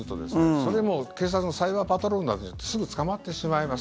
それも、警察のサイバーパトロールなどによってすぐ捕まってしまいます。